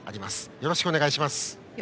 よろしくお願いします。